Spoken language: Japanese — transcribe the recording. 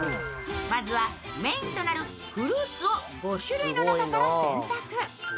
まずはメインとなるフルーツを５種類の中から選択。